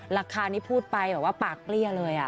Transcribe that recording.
ราคานี้พูดไปแบบว่าปากเปรี้ยเลย